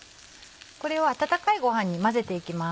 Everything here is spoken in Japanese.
これを温かいごはんに混ぜていきます。